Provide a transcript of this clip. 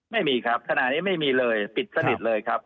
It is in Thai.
ไม่มีครับขณะนี้ไม่มีเลยปิดสนิทเลยครับ